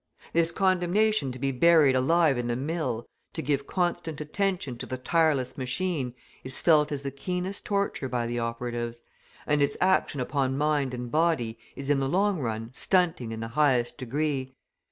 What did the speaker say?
This condemnation to be buried alive in the mill, to give constant attention to the tireless machine is felt as the keenest torture by the operatives, and its action upon mind and body is in the long run stunting in the highest degree.